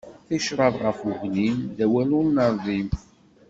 D ticraḍ ɣef uglim, d awal ur nerdim.